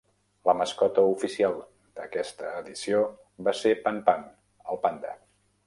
La mascota oficial d'aquesta edició va ser PanPan, el panda.